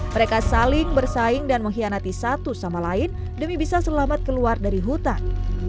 mereka saling bersaing dan mengkhianati satu sama lain demi bisa selamat keluar dari hutan